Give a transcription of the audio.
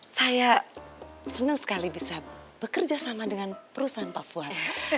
saya senang sekali bisa bekerja sama dengan perusahaan papua